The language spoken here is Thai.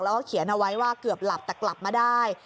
แล้วก็เขียนเอาไว้ว่าเกือบหลับแต่กลับมาได้